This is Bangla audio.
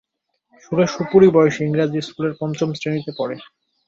সুরেশ অপুরই বয়সি, ইংরাজি স্কুলের পঞ্চম শ্রেণীতে পড়ে।